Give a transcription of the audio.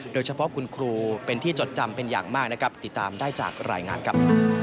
โดยเฉพาะคุณครูเป็นที่จดจำเป็นอย่างมากนะครับติดตามได้จากรายงานครับ